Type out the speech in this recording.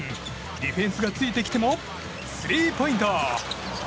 ディフェンスがついてきてもスリーポイント！